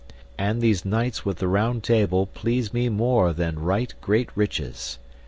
And these knights with the Round Table please me more than right great riches.